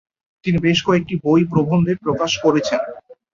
তিনি বেশ কয়েকটি বই প্রবন্ধের প্রকাশ করেছেন।